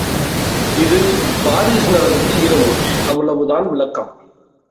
அது பாரிஸ் நகரத்து இரவு அவ்வளவுதான் விளக்கம்.